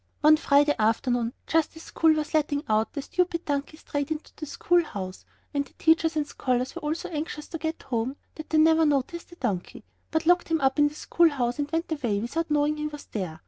One Friday afternoon, just as school was letting out, the stupid donkey strayed into the school house, and the teachers and scholars were all so anxious to get home that they never noticed the donkey, but locked him up in the school house and went away without knowing he was there.